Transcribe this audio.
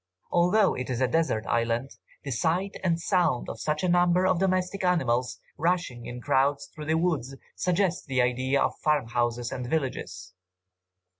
Although it is a desert island, the sight and sound of such a number of domestic animals, rushing in crowds through the woods, suggest the idea of farmhouses and villages."